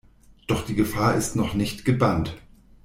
Doch die Gefahr ist noch nicht gebannt.